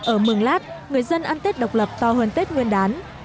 ở mường lát người dân ăn tết độc lập to hơn tết nguyên đán